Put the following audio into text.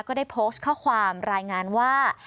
ก็ได้โพสต์ข้อความรายงานว่า